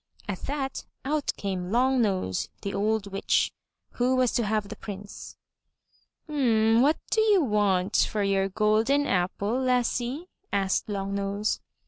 At that, out came Long nose, the old witch, who was to have the Prince. What do you want for your golden apple, lassie?" asked the Long nose.